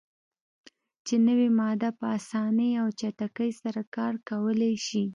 چې نوی ماده "په اسانۍ او چټکۍ سره کار کولای شي.